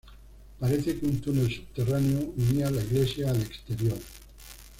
Parece que un túnel subterráneo unía la iglesia al exterior.